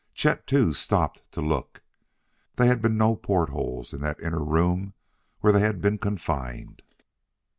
Chet, too, stopped to look; there had been no port holes in that inner room where they had been confined.